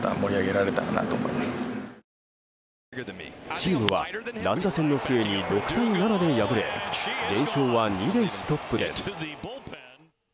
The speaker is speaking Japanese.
チームは乱打戦の末に６対７で敗れ連勝は２でストップです。